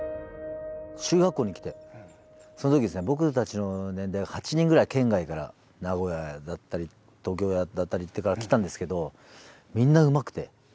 中学校に来てその時僕たちの年代は８人ぐらい県外から名古屋だったり東京だったりから来たんですけどみんなうまくて。